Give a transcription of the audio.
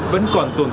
vẫn còn tồn tại